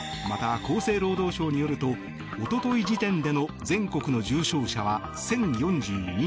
また、厚生労働省によると一昨日時点での全国の重症者は１０４２人。